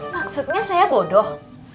maksudnya saya bodoh